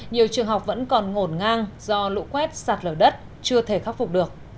nhiều trường học vẫn còn ngổn ngang do lũ quét sạt lở đất chưa thể khắc phục được